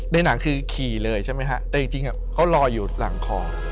ในหนังของผมคือขี่เลยใช่มั้ยครับแต่จริงเขารอยอยู่หลังคอ